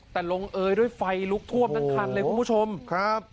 แต่ลงเอยด้วยไฟลุกท่วมทั้งคันเลยคุณผู้ชมครับ